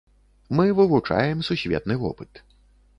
Мы вывучаем сусветны вопыт.